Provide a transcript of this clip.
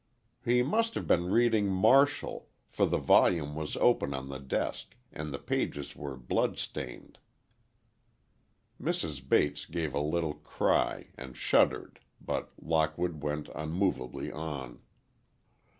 "He must have been reading Martial—for the volume was open on the desk—and the pages were blood stained." Mrs. Bates gave a little cry, and shuddered, but Lockwood went unmovably on.